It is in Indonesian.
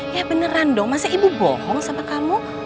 ya beneran dong masa ibu bohong sama kamu